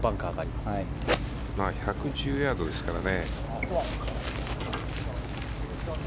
まあ１１０ヤードですからね。